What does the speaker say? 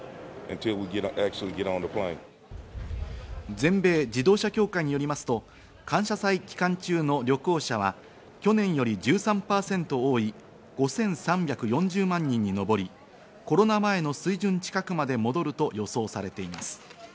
全米自動車協会によりますと、感謝祭期間中の旅行者は去年より１３％多い、５３４０万人にのぼり、コロナ前の水準近くまで戻ると予想されています。